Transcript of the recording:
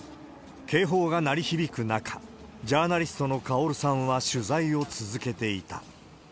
警報が鳴り響く中、ジャーナリストのカオルさんは取材を続けていた。